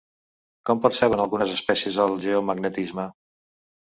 Com perceben algunes espècies el geomagnetisme?